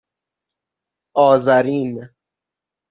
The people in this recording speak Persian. آذرین